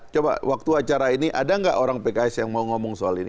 coba waktu acara ini ada nggak orang pks yang mau ngomong soal ini